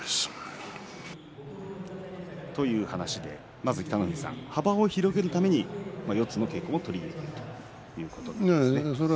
まず北の富士さん幅を広げるために、四つの稽古を取り入れているということでした。